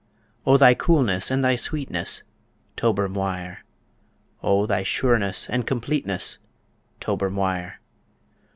O thy coolness and thy sweetness, Tober Mhuire. O thy sureness and completeness, Tober Mhuire.